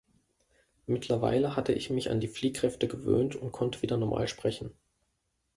Mittlerweile hatte ich mich an die Fliehkräfte gewöhnt und konnte wieder normal sprechen.